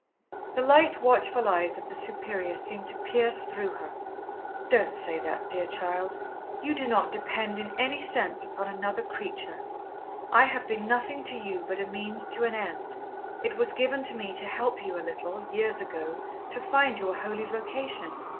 The light, watchful eyes of the Superior seemed to pierce through her. "Don't say that, dear child. You do not depend in any sense upon another creature. I have been nothing to you but a means to an end. It was given to me to help you a little, years ago, to find your holy vocation.